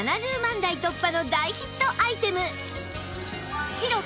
台突破の大ヒットアイテム